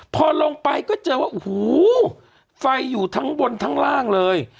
พอลงไปก็เจอว่าโอ้โหไฟอยู่ทั้งบนทั้งล่างเลย